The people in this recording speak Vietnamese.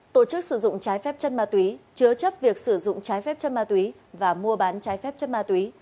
tổ chức sử dụng trái phép chân ma túy chứa chấp việc sử dụng trái phép chất ma túy và mua bán trái phép chất ma túy